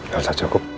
gak usah cukup